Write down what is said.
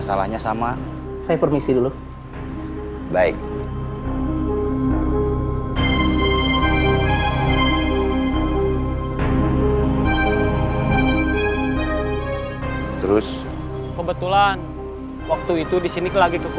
sama orangnya gak ada